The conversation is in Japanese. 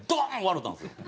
笑うたんですよ。